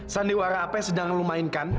sandiwara apa yang sedang lo mainkan